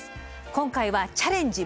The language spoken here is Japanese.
今回は「チャレンジ！